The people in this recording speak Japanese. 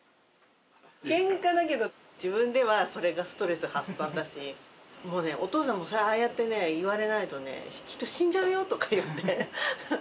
けんかだけど、自分ではそれがストレス発散だし、もうね、お父さんも、ああやってね、言われないとね、きっと死んじゃうよとか言って。